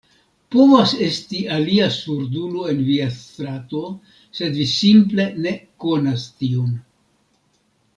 Povas esti alia surdulo en via strato, sed vi simple ne konas tiun.